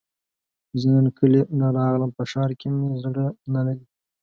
زۀ نن کلي نه راغلم په ښار کې مې زړه نه لګي